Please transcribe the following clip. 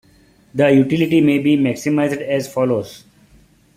The utility may be maximized as follows.